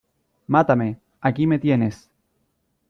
¡ mátame, aquí me tienes!